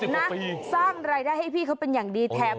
นะสร้างรายได้ให้พี่เขาเป็นอย่างดีแถม